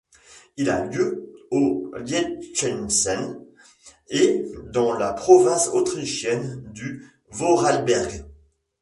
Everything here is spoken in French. Il a lieu au Liechtenstein et dans la province autrichienne du Voralberg.